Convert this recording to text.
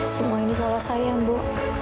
semua ini salah saya bu